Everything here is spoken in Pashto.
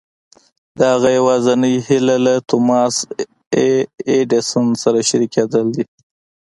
د هغه يوازېنۍ هيله له توماس اې ايډېسن سره شريکېدل دي.